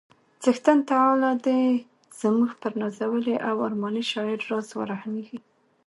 څښتن تعالی دې زموږ پر نازولي او ارماني شاعر راز ورحمیږي